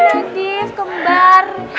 hai nadif kembar